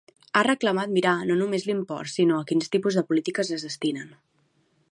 Ha reclamat mirar no només l'import sinó a quins tipus de polítiques es destinen.